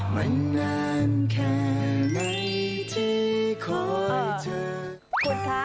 มันนานแค่ไหนที่คอยเจอกัน